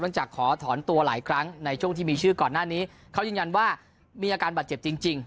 จากขอถอนตัวหลายครั้งในช่วงที่มีชื่อก่อนหน้านี้เขายืนยันว่ามีอาการบาดเจ็บจริง